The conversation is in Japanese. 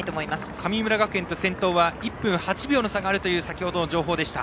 神村学園と先頭は１分８秒の差があるという先程の情報でした。